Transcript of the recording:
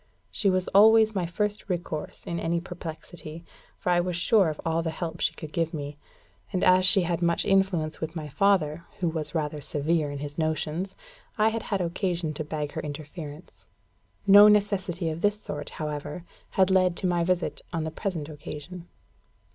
She was always my first resource in any perplexity, for I was sure of all the help she could give me. And as she had much influence with my father, who was rather severe in his notions, I had had occasion to beg her interference. No necessity of this sort, however, had led to my visit on the present occasion.